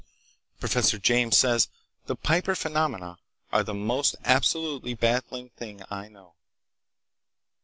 Professor James says: "The Piper phenomena are the most absolutely baffling thing I know."